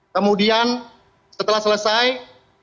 kemudian setelah selesai kita lakukan